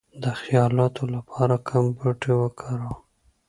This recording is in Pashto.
د خیالاتو لپاره کوم بوټي وکاروم؟